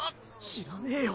知らねぇよ。